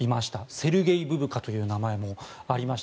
セルゲイ・ブブカという名前もありました。